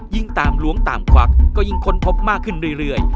ยิ่งตามล้วงตามควักก็ยิ่งค้นพบมากขึ้นเรื่อย